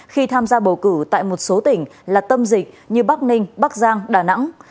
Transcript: khi tham gia bầu cử tại một số tỉnh là tâm dịch như bắc ninh bắc giang đà nẵng